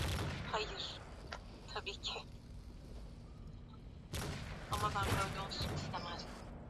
Ukimwi ni ugonjwa hatari